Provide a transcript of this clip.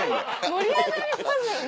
盛り上がりますよね。